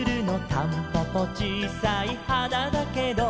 「たんぽぽちいさい花だけど」